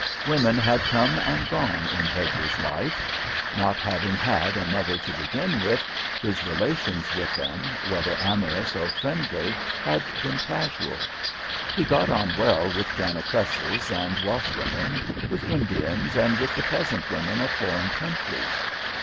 Women had come and gone in Hedger's life. Not having had a mother to begin with, his relations with them, whether amorous or friendly, had been casual. He got on well with janitresses and wash women, with Indians and with the peasant women of foreign countries.